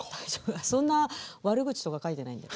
そんな悪口とか書いてないんで。